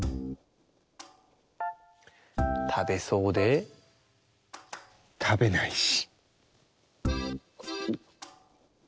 たべそうでたべないし。